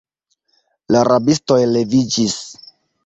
La rabistoj leviĝis.